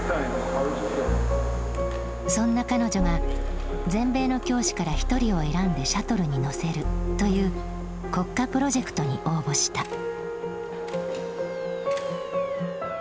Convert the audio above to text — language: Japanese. そんな彼女が全米の教師から一人を選んでシャトルに乗せるという国家プロジェクトに応募した。